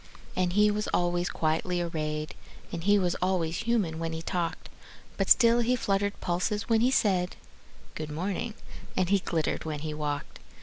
And he was always quietly arrayed, And he was always human when he talked; But still he fluttered pulses when he said, "Good morning," and he glittered when he walked.